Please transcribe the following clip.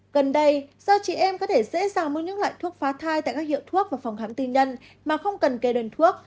gần đây do chị em có thể dễ dàng mua những loại thuốc phá thai tại các hiệu thuốc và phòng hắm tư nhân mà không cần kê đơn thuốc